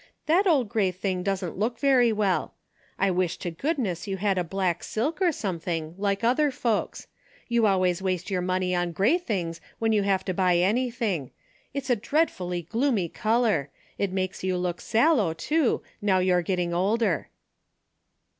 That old grey thing doesn't look very well. I wish to goodness you had a black silk, or something, like other folks. You al ways waste your money on grey things when you have to buy anything. It's a dreadfully gloomy color. It makes you look sallow, too, now you're getting older."